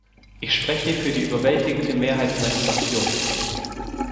Ich spreche für die überwältigende Mehrheit meiner Fraktion.